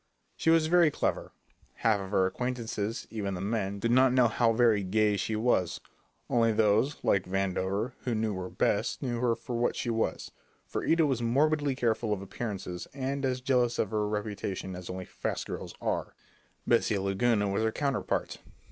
She was very clever; half of her acquaintances, even the men, did not know how very "gay" she was. Only those like Vandover who knew her best, knew her for what she was, for Ida was morbidly careful of appearances, and as jealous of her reputation as only fast girls are. Bessie Laguna was her counterpart.